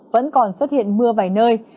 vẫn còn xuất hiện mưa vài nơi